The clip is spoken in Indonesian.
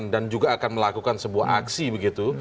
dan juga akan melakukan sebuah aksi begitu